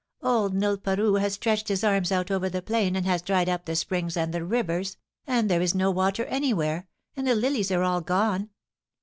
* Old Nilparoo has stretched his arms out over the plain and has dried up the springs and the rivers, and there is no water anywhere, and the lilies are all gone.